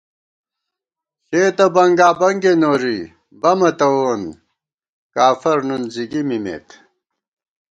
ݪېتہ بنگابنگے نوری ، بمَہ تَوون ، کافر نُن زِگی مِمېت